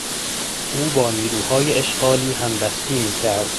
او با نیروهای اشغالی همدستی میکرد.